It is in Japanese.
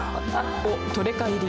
おっトレカ入り。